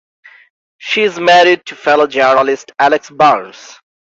She is married to fellow journalist Alex Burns.